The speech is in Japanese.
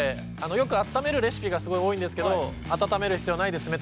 よく温めるレシピがすごい多いんですけど温める必要ないんで冷たいままで大丈夫です。